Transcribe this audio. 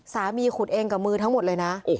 ขุดเองกับมือทั้งหมดเลยนะ